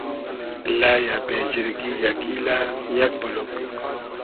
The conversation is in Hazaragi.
لئیۂ ، بې جیرگی یۂ ، گیلۂ یئگ بولوگ